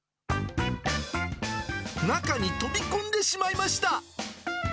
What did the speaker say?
中に飛び込んでしまいました。